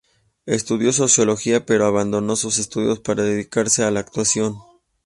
Estudió sociología pero abandonó sus estudios para dedicarse a la actuación.